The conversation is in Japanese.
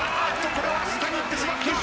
これは下に行ってしまった。